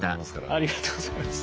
ありがとうございます。